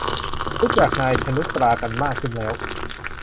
รู้จัก นาย ชนุชตรา กันมากขึ้นแล้ว